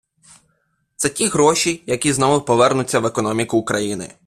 Це ті гроші, які знову повернуться в економіку України.